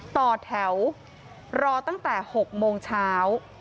ต่อแถวรอตั้งแต่๖โมงเช้า